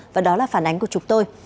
và đó là phản ánh của chúng tôi